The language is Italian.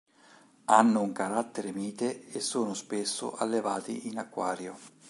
Hanno un carattere mite e sono spesso allevati in acquario.